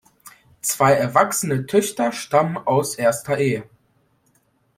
Zwei erwachsene Töchter stammen aus erster Ehe.